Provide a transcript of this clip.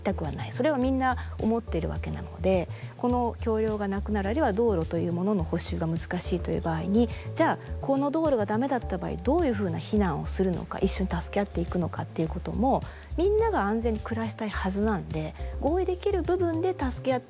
それはみんな思ってるわけなのでこの橋りょうがなくなるあるいは道路というものの補修が難しいという場合にじゃあこの道路が駄目だった場合どういうふうな避難をするのか一緒に助け合っていくのかっていうこともみんなが安全に暮らしたいはずなんで合意できる部分で助け合っていく。